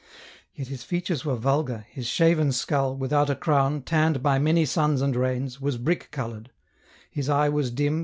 Yet his features were vulgar, his shaven skull, without a crown, tanned by many suns and rains, was brick coloured, his eye was dim.